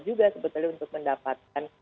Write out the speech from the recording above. juga sebetulnya untuk mendapatkan